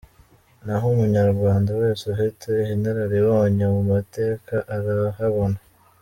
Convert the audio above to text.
Naho umunyarwanda wese ufite inararibonye mu mateka arahabona!